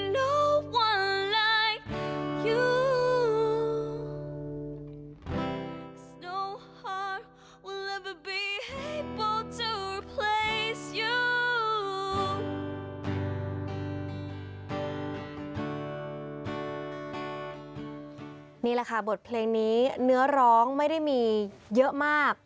นี่แหละค่ะบทเพลงนี้เนื้อร้องไม่ได้มีเยอะมาก